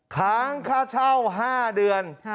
ค้างค่าเช่า๕เดือน